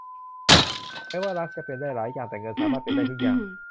แม้ว่ารักจะเป็นได้หลายอย่าง แต่เงินสามารถเป็นได้ทุกอย่าง